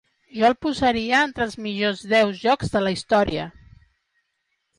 Jo el posaria entre els millors deu jocs de la història.